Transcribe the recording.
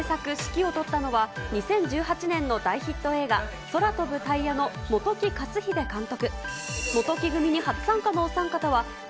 映画の制作・指揮を執ったのは２０１８年の大ヒット映画、空飛ぶタイヤのもときかつひで監督。